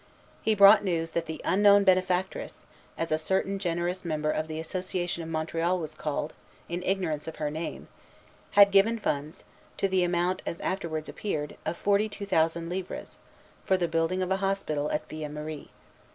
He brought news that the "unknown benefactress," as a certain generous member of the Association of Montreal was called, in ignorance of her name, had given funds, to the amount, as afterwards appeared, of forty two thousand livres, for the building of a hospital at Villemarie.